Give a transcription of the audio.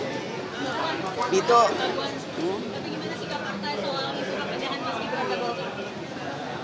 gimana sikap partai soal isu kepenjahan mas gibran